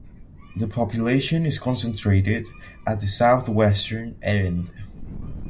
The population is concentrated at the southwestern end.